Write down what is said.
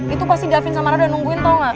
itu pasti davin sama rara yang nungguin tau gak